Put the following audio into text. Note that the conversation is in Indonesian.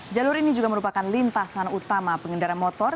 jalur ini juga merupakan lintasan utama pengendara motor